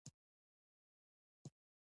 علي تل په شخړو کې د خلکو مړي را سپړي.